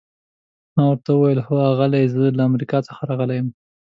ما ورته وویل: هو آغلې، زه له امریکا څخه راغلی یم.